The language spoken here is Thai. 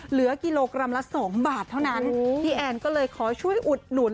เหลือกิโลกรัมละสองบาทเท่านั้นพี่แอนก็เลยขอช่วยอุดหนุน